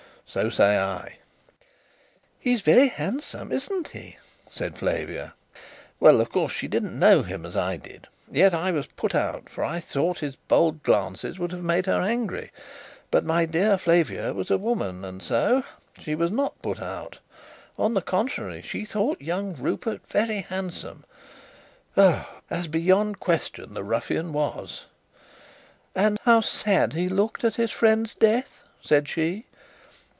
So say I! "He's very handsome, isn't he?" said Flavia. Well, of course, she didn't know him as I did; yet I was put out, for I thought his bold glances would have made her angry. But my dear Flavia was a woman, and so she was not put out. On the contrary, she thought young Rupert very handsome as, beyond question, the ruffian was. "And how sad he looked at his friend's death!" said she.